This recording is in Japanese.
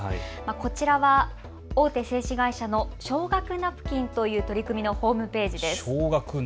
こちらは大手製紙会社の奨学ナプキンという取り組みのホームページです。